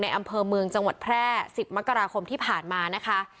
อำเภอเมืองจังหวัดแพร่๑๐มกราคมที่ผ่านมานะคะ